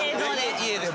家でも？